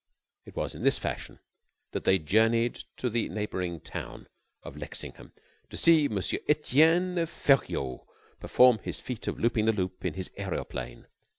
It was in this fashion that they journeyed to the neighboring town of Lexingham to see M. Etienne Feriaud perform his feat of looping the loop in his aeroplane.